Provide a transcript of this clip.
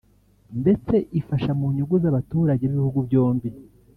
ndetse ifasha mu nyungu z’abaturage b’ibihugu byombi